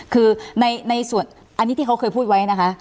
คือในส่วนอันนี้ที่เขาเคยพูดไว้นะคะ